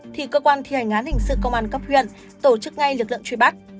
thì cơ quan thi hành án hình sự công an cấp huyện tổ chức ngay lực lượng truy bắt